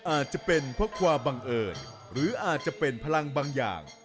อาจจะเป็นเพราะความบังเอิญหรืออาจจะเป็นพลังบางอย่าง